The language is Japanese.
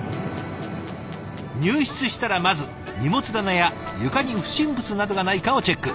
入室したらまず荷物棚や床に不審物などがないかをチェック。